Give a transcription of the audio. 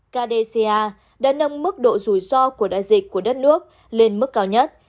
indonesia đã nâng mức độ rủi ro của đại dịch của đất nước lên mức cao nhất